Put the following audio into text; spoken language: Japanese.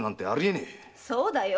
そうだよ